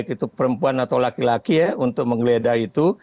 kalau perlu ada perempuan atau laki laki ya untuk menggeledah itu